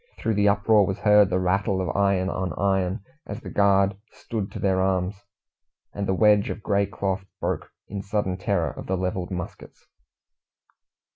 Through the uproar was heard the rattle of iron on iron, as the guard "stood to their arms," and the wedge of grey cloth broke, in sudden terror of the levelled muskets.